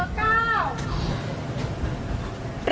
ปัดดีเบอร์เก้า